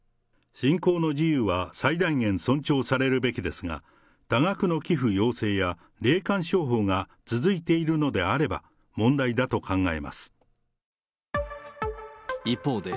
信仰の自由は最大限尊重されるべきですが、多額の寄付要請や霊感商法が続いているのであれば、一方で、